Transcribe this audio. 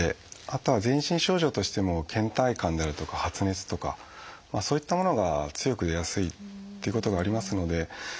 あとは全身症状としてもけん怠感であるとか発熱とかそういったものが強く出やすいということがありますので。